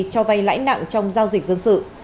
cho vay lãi nặng trong giao dịch dân sự